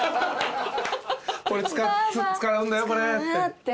使うんだよこれって。